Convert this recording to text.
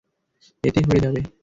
এতেই হয়ে যাবে।